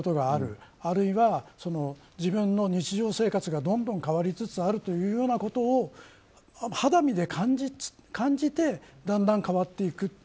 あるいは自分の日常生活がどんどん変わりつつあるというようなことを肌身で感じてだんだん変わっていく。